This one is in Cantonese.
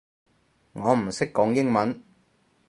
我唔識講英文